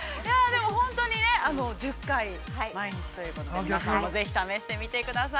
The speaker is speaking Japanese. ◆本当にね、１０回毎日ということで、皆さんもぜひ試してみてください。